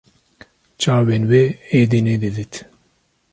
Çavên wê êdî nedîdît